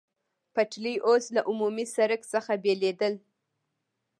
پټلۍ اوس له عمومي سړک څخه بېلېدل.